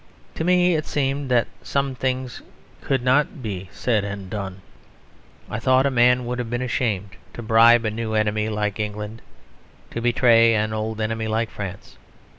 To me it seemed that some things could not be said and done. I thought a man would have been ashamed to bribe a new enemy like England to betray an old enemy like France.